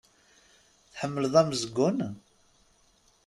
Tḥemmleḍ amezgun?